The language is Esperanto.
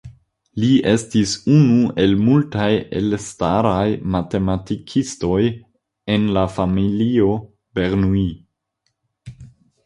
Li estis unu el multaj elstaraj matematikistoj en la familio Bernoulli.